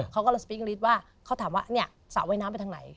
เขาก็กำลังพูดอังกฤษว่าเขาถามว่าเนี่ยสระว่ายน้ำไปทางไหน